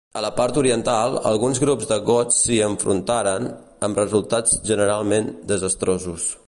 A la part oriental, alguns grups de gots s'hi enfrontaren, amb resultats generalment desastrosos.